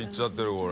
これ。